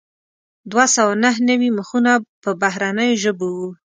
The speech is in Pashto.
دوه سوه نهه نوي مخونه په بهرنیو ژبو وو.